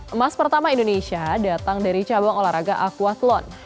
emas pertama indonesia datang dari cabang olahraga aquathlon